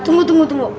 tunggu tunggu tunggu